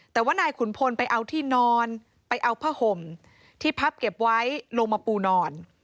แต่ว่านายขุนพลไปเอาที่นอนไปเอาผ้าห่มที่พับเก็บไว้ลงมาปูนอน